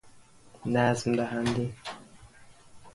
نظم دهنده